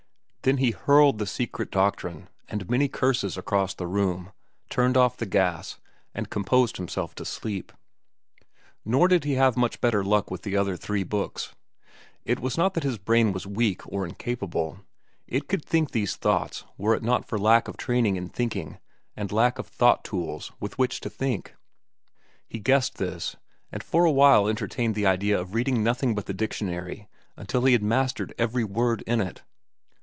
Then he hurled the "Secret Doctrine" and many curses across the room, turned off the gas, and composed himself to sleep. Nor did he have much better luck with the other three books. It was not that his brain was weak or incapable; it could think these thoughts were it not for lack of training in thinking and lack of the thought tools with which to think. He guessed this, and for a while entertained the idea of reading nothing but the dictionary until he had mastered every word in it.